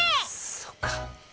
そっか。